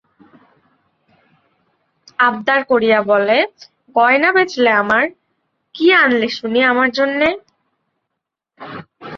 আবদার করিয়া বলে, গয়না বেচলে আমার, কী আনলে শুনি আমার জন্যে?